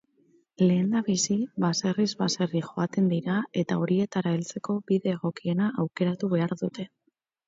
Lehendabizi baserriz baserri joaten dira eta horietara heltzeko bide egokiena aukeratu behar dute.